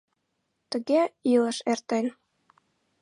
Тыге илыш эртен.